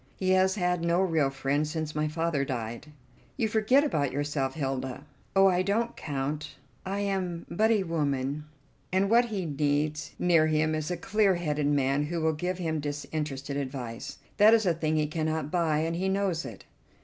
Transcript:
He has had no real friend since my father died." "You forget about yourself, Hilda." "Oh, I don't count; I am but a woman, and what he needs near him is a clear headed man who will give him disinterested advice. That is a thing he cannot buy, and he knows it."